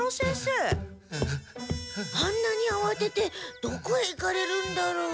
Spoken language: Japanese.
あんなにあわててどこへ行かれるんだろう？